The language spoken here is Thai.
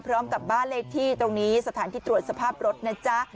พร้อมกับบ้านเลขที่ตรงนี้สถานที่ตรวจสภาพรถนะจ๊ะ